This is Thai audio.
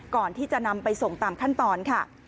ก่อนที่จะนำไปส่งตามขั้นตอนค่ะ